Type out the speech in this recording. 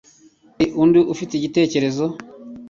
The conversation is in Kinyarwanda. Hari undi ufite igitekerezo?